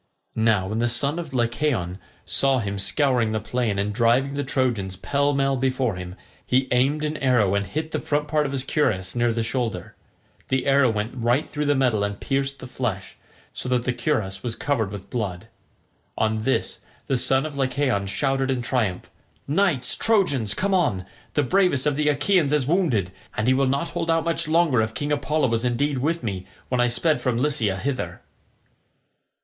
Now when the son of Lycaon saw him scouring the plain and driving the Trojans pell mell before him, he aimed an arrow and hit the front part of his cuirass near the shoulder: the arrow went right through the metal and pierced the flesh, so that the cuirass was covered with blood. On this the son of Lycaon shouted in triumph, "Knights Trojans, come on; the bravest of the Achaeans is wounded, and he will not hold out much longer if King Apollo was indeed with me when I sped from Lycia hither."